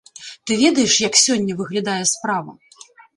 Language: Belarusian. Ты ведаеш, як сёння выглядае справа?